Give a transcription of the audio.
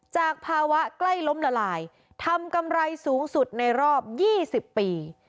จากภาวะใกล้ล้มละลายทำกำไรสูงสุดในรอบ๒๐ปี